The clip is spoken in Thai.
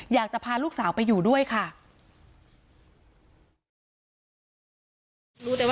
อยากจะพาลูกสาวไปอยู่ด้วยค่ะ